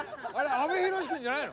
阿部寛君じゃないの？